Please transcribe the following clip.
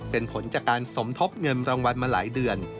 เป็นผลจากการสมทบเงินรางวัลมาหลายเดือน